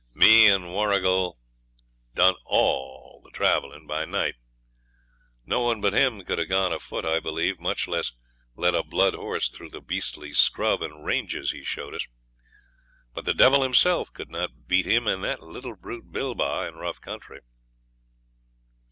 'Me and Warrigal done all the travelling by night. No one but him could have gone afoot, I believe, much less led a blood horse through the beastly scrub and ranges he showed us. But the devil himself could not beat him and that little brute Bilbah in rough country.'